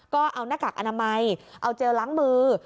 ก็เอาหน้ากากอนามัยเอาเจลล้างมือ